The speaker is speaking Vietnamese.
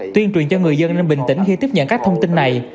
tuyên truyền cho người dân nên bình tĩnh khi tiếp nhận các thông tin này